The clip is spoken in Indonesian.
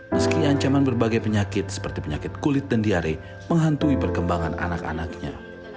meski ancaman berbagai penyakit seperti penyakit kulit dan diare menghantui perkembangan anak anaknya